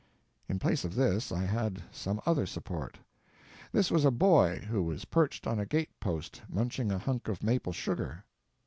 In place of this I had some other support. This was a boy, who was perched on a gate post munching a hunk of maple sugar.